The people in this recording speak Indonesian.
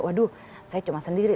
waduh saya cuma sendiri